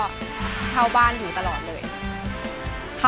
อายุ๒๔ปีวันนี้บุ๋มนะคะ